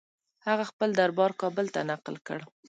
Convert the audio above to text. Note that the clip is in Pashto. هغه خپل دربار کابل ته نقل کړ.